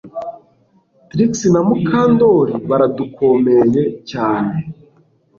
Trix na Mukandoli baradukomeye cyane